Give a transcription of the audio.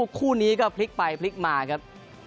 ตั้งแต่คู่คู่นี้ก็พลิกไปพลิกมาครับ